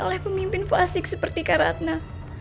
oleh pemimpin fasik seperti kak ratna